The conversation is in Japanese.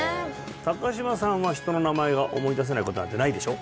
高島さんは人の名前が思い出せないことなんてないでしょ？